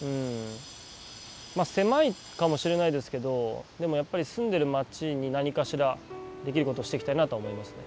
まあ狭いかもしれないですけどでもやっぱり住んでる街に何かしらできることしていきたいなとは思いますね。